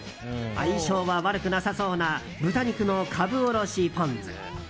相性は悪くなさそうな豚肉のカブおろしポン酢。